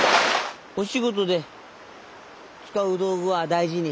お仕事で使う道具は大事にしています。